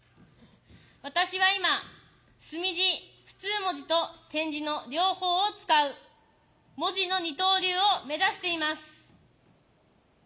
私は今墨字普通文字と点字の両方を使う文字の二刀流を目指しています。